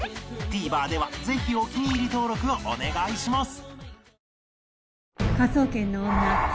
ＴＶｅｒ ではぜひお気に入り登録をお願いします